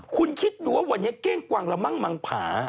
คุณคิดดูว่าวันนี้เก้งกวางละมั่งมังผา